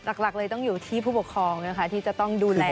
หลักเลยต้องอยู่ที่ผู้ปกครองนะคะที่จะต้องดูแล